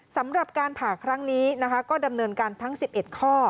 สำหรับการผ่าครั้งนี้นะคะก็ดำเนินการทั้ง๑๑ข้อ